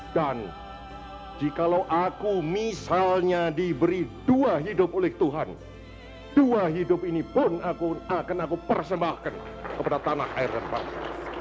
dan jika aku diberi dua hidup oleh tuhan dua hidup ini pun akan aku persembahkan kepada tanah air dan bangsa